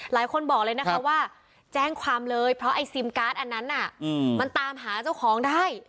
หลายคนบอกเลยนะคะว่าแจ้งความเลยเพราะไอ้ซิมการ์ดอันนั้นมันตามหาเจ้าของได้